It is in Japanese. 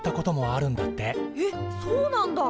えっそうなんだ！